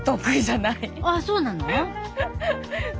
あっそうなの？